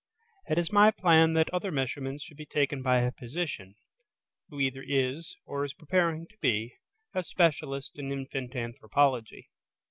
It is my plan that other measurements should be taken by a physician, who either is, or is preparing to be, a specialist in infant anthropology.